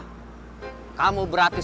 saya harus melakukan keputusan